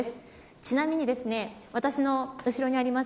ちなみに私の後ろにあります